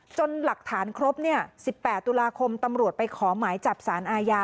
หลักฐานครบ๑๘ตุลาคมตำรวจไปขอหมายจับสารอาญา